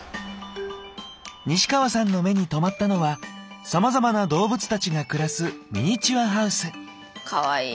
西川さんの目に留まったのはさまざまな動物たちが暮らすかわいい！